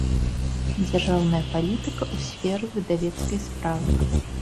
Дзяржаўная палiтыка ў сферы выдавецкай справы